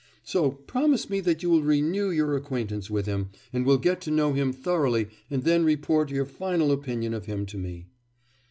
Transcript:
So promise me that you will renew your acquaintance with him, and will get to know him thoroughly and then report your final opinion of him to me.